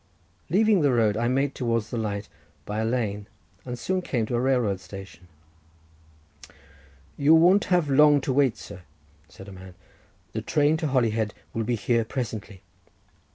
Leaving the road, I made towards the light by a lane, and soon came to a railroad station. "You won't have long to wait, sir," said a man—"the train to Holyhead will be here presently."